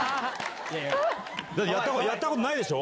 やったことないでしょ？